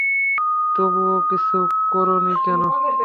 তবুও কিছু করো নি কেন?